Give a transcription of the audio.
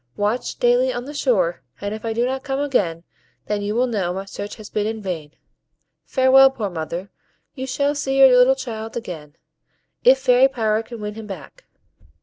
Watch daily on the shore, and if I do not come again, then you will know my search has been in vain. Farewell, poor mother, you shall see your little child again, if Fairy power can win him back."